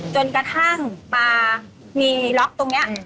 จนกระทั่งปลามีล็อกตรงนี้